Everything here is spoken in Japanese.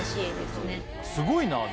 すごいなぁ。